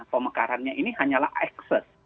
pemekarannya ini hanyalah akses